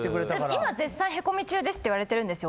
今絶賛ヘコミ中ですって言われてるんですよ？